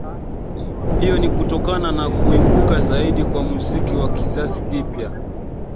Hiyo ni kutokana na kuibuka zaidi kwa muziki wa kizazi kipya